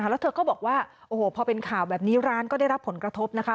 แล้วเธอก็บอกว่าโอ้โหพอเป็นข่าวแบบนี้ร้านก็ได้รับผลกระทบนะคะ